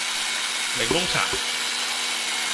檸檬茶